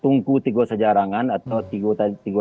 tungku tiga sejarangan atau tiga tiga